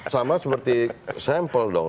sama seperti sampel dong